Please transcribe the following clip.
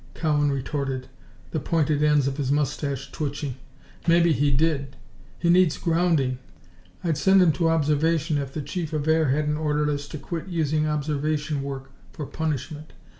Cowan retorted, the pointed ends of his moustache twitching. "Maybe he did! He needs grounding. I'd send him to Observation if the Chief of Air hadn't ordered us to quit using observation work for punishment.